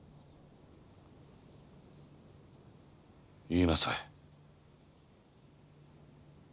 言いなさい。